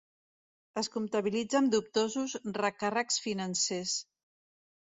Es comptabilitzen dubtosos recàrrecs financers.